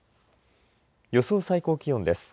予想最低気温です。